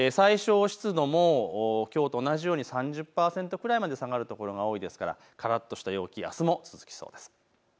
最小湿度もきょうと同じように３０％くらいまで下がる所が多いですから、からっとした陽気、あすも続きそうです。